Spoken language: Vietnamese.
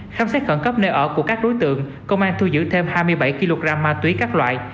khám xét khẩn cấp nơi ở của các đối tượng công an thu giữ thêm hai mươi bảy kg ma túy các loại